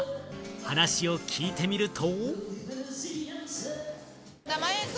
話を聞いてみると。